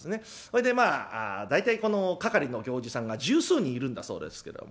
そいでまあ大体この係の行司さんが十数人いるんだそうですけども。